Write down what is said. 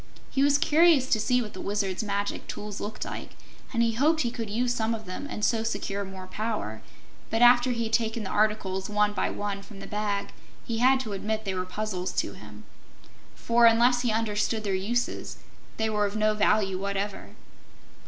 He was curious to see what the Wizard's magic tools looked like, and hoped he could use some of them and so secure more power; but after he had taken the articles, one by one, from the bag, he had to admit they were puzzles to him. For, unless he understood their uses, they were of no value whatever.